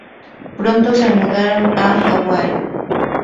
Pronto se mudaron a Hawái.